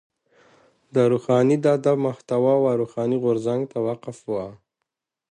د روښاني ادب محتوا و روښاني غورځنګ ته وقف وه.